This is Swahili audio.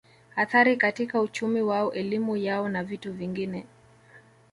Athari katika uchumi wao elimu yao na vitu vingine